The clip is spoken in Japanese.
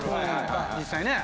実際ね。